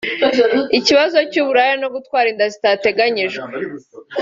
Ikibazo cy’uburaya no gutwara inda zidateganyijwe